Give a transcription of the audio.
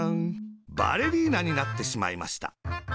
バレリーナになってしまいました。